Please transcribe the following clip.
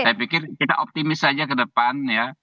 saya pikir kita optimis saja ke depan ya